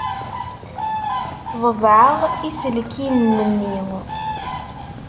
Ḍebɛeɣ iselkinen-nni.